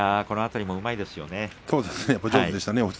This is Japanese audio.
この辺りも、うまいですね。